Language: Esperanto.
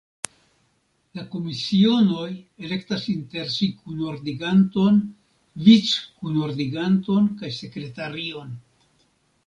La komisionoj elektas inter si kunordiganton, vic-kunordiganton kaj sekretarion.